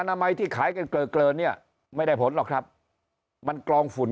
นามัยที่ขายกันเกลอเกลอเนี่ยไม่ได้ผลหรอกครับมันกลองฝุ่น